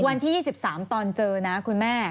วันที่๒๓ตอนเจอนะคุณแม่